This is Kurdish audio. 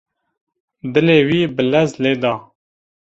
Dilê wî bi lez lê da.